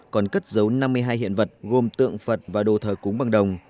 còn cất dấu năm mươi hai hiện vật gồm tượng phật và đồ thờ cúng bằng đồng